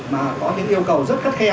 mà có những yêu cầu rất khắt khe